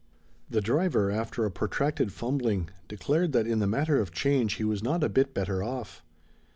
The driver, after a protracted fumbling, declared that in the matter of change he was not a bit better of.